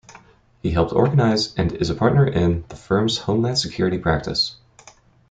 He helped organize, and is a partner in, the firm's Homeland Security Practice.